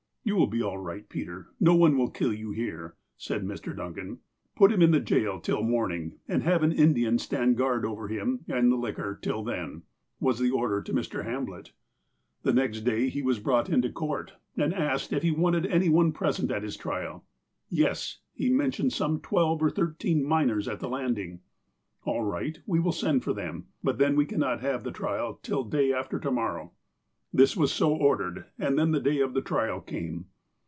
'' You will be all right, Peter. No one will kill you here," said Mr. Duncan. "Put him in the jail till morning, and have an Indian stand guard over him and the liquor till then," was the order to Mr. Hamblett. The next day he was brought into court, and asked if he wanted any one present at his trial. "Yes." He mentioned some twelve or thirteen miners at the landing. "All right. We will send for them, but then we cannot have the trial till the day after to morrow." This was so ordered, and then the day of the trial came.